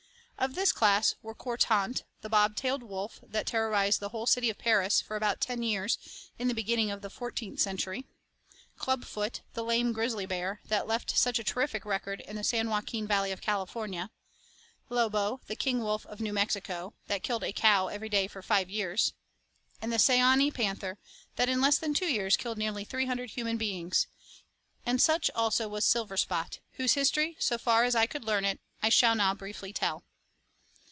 Of this class were Courtant, the bob tailed wolf that terrorized the whole city of Paris for about ten years in the beginning of the fourteenth century; Clubfoot, the lame grizzly bear that left such a terrific record in the San Joaquin Valley of California; Lobo, the king wolf of New Mexico, that killed a cow every day for five years, and the Seonee panther that in less than two years killed nearly three hundred human beings and such also was Silverspot, whose history, so far as I could learn it, I shall now briefly tell.